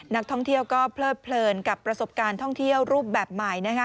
นักท่องเที่ยวก็เพลิดเพลินกับประสบการณ์ท่องเที่ยวรูปแบบใหม่นะคะ